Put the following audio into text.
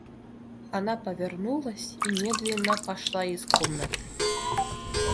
Она повернулась и медленно пошла из комнаты.